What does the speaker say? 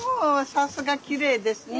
さすがきれいですね。